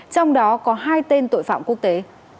trong đó có hai tên tội phạm quốc tế